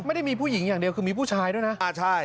ไม่ได้มีผู้หญิงอย่างเดียวคือมีผู้ชายด้วยนะอ่าใช่